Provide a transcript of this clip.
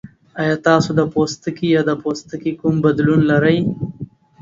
ایا تاسو د پوستکي یا پوستکي کوم بدلون لرئ؟